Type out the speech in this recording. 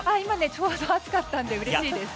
ちょうど暑かったのでうれしいです。